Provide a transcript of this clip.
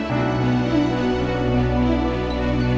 harusnya sih gitu bu